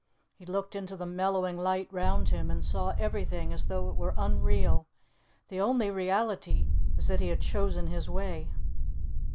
He looked into the mellowing light round him, and saw everything as though it were unreal; the only reality was that he had chosen his way.